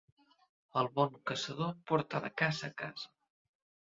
El bon caçador porta la caça a casa.